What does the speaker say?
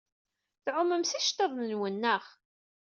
Tɛumem s yiceḍḍiḍen-nwen, naɣ?